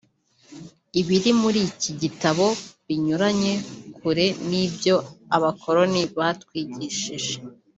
Ibiri muri iki gitabo binyuranye kure n’ibyo abakoroni batwigishije